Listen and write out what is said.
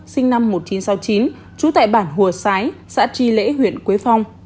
sinh năm một nghìn chín trăm sáu mươi chín trú tại bản hùa sái xã tri lễ huyện quế phong